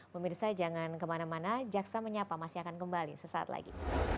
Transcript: pemirsa jangan kemana mana jaksa menyapa masih akan kembali sesaat lagi